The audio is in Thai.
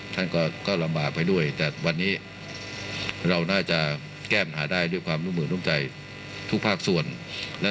ทรงมีลายพระราชกระแสรับสู่ภาคใต้